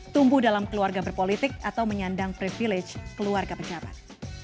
tumbuh dalam keluarga berpolitik atau menyandang privilege keluarga pejabat